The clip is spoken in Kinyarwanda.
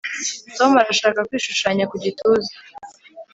tom arashaka kwishushanya ku gituza